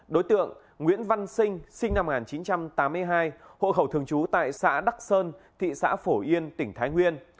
đối tượng nguyễn văn sinh sinh năm một nghìn chín trăm tám mươi hai hộ khẩu thường trú tại xã đắc sơn thị xã phổ yên tỉnh thái nguyên